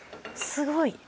すごい。